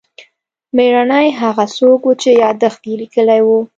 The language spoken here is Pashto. مېړنی هغه څوک و چې یادښت یې لیکلی و.